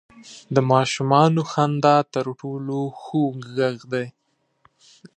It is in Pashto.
• د ماشومانو خندا تر ټولو خوږ ږغ دی.